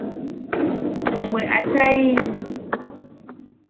¡Bwe achai!